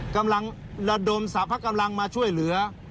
กำลังระดมสรรพกำลังมาช่วยเหลือ